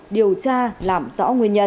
điều tra làm rõ nguyên nhân